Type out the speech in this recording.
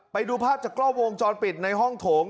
ไปดูภาพจากกล้องวงจรปิดในห้องโถง